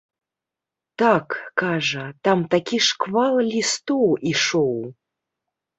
Так, кажа, там такі шквал лістоў ішоў.